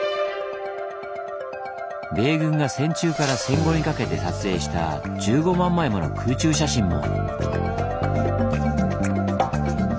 米軍が戦中から戦後にかけて撮影した１５万枚もの空中写真も。